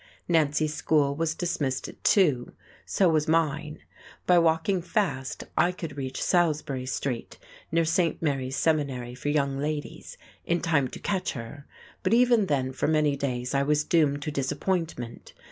Nancy's school was dismissed at two, so was mine. By walking fast I could reach Salisbury Street, near St. Mary's Seminary for Young Ladies, in time to catch her, but even then for many days I was doomed to disappointment.